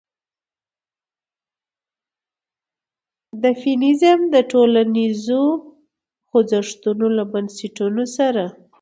د فيمنيزم د ټولنيزو خوځښتونو له بنسټونو سره